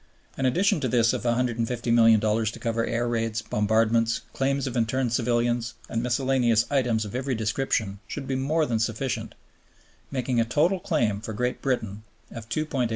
An addition to this of $150,000,000, to cover air raids, bombardments, claims of interned civilians, and miscellaneous items of every description, should be more than sufficient, making a total claim for Great Britain of $2,850,000,000.